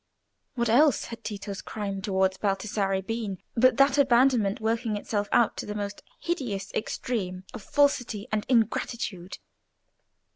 What else had Tito's crime towards Baldassarre been but that abandonment working itself out to the most hideous extreme of falsity and ingratitude?